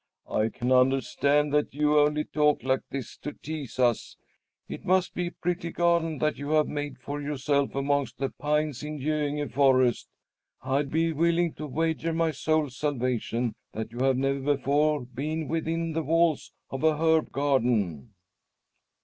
"I can understand that you only talk like this to tease us. It must be a pretty garden that you have made for yourself amongst the pines in Göinge forest! I'd be willing to wager my soul's salvation that you have never before been within the walls of an herb garden."